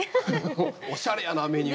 おしゃれやな、メニュー。